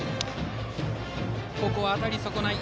ここは当たり損ない。